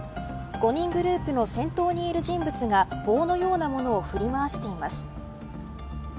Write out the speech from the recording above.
５人グループの先頭にいる人物が棒のようなものを振り回しています。